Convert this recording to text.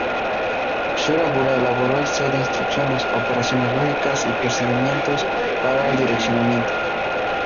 Shura-Bura elaboró el set de instrucciones, operaciones lógicas y procedimientos para el direccionamiento.